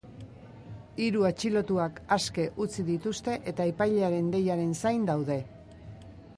Hiru atxilotuak aske utzi dituzte eta epailearen deiaren zain daude.